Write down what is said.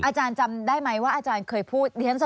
อาจารย์จำได้ไหมว่าอาจารย์เคยพูด